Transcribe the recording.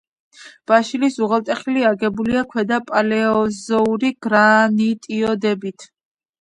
ბაშილის უღელტეხილი აგებულია ქვედა პალეოზოური გრანიტოიდებით.